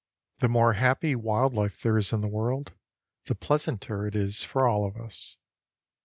The more happy wild life there is in the world, the pleasanter it is for all of us.